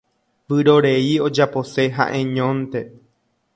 Vyrorei ojapose ha'eñónte.